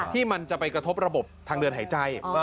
ที่มันจะไปกระทบระบบทางเดินหายใจ